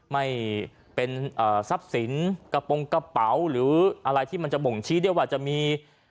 ไม่เป็นทรัพย์สินกระโปรงกระเป๋าหรืออะไรที่มันจะบ่งชี้ได้ว่าจะมี